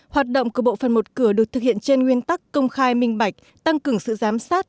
hoạt động của bộ phần một cửa được thực hiện trên nguyên tắc công khai minh bạch tăng cường sự giám sát